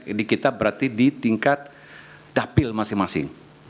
jadi kita berarti di tingkat dapil masing masing